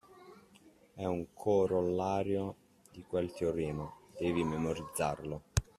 E' un corollario di quel teorema, devi memorizzarlo.